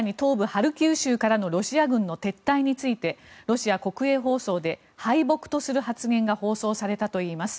ハルキウ州からのロシア軍の撤退についてロシア国営放送で敗北とする発言が放送されたといいます。